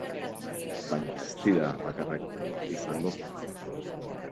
Baina ez dira bakarrak izango!